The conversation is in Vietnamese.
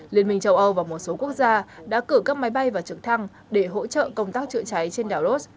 liên minh châu âu và một số quốc gia đã cử các máy bay và trực thăng để hỗ trợ công tác chữa cháy trên đảo rhos